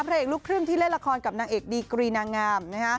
เพลงลูกครึ่งที่เล่นละครกับนางเอกดีกรีนางงาม